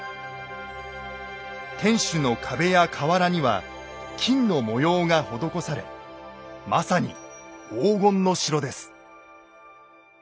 天守の壁や瓦には金の模様が施されまさに黄金の城です。